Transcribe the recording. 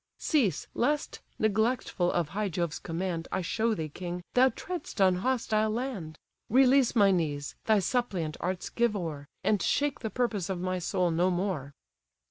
Cease; lest, neglectful of high Jove's command, I show thee, king! thou tread'st on hostile land; Release my knees, thy suppliant arts give o'er, And shake the purpose of my soul no more."